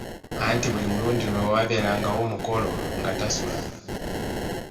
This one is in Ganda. Anti buli mulundi lwe waabeerangawo omukolo nga tasula.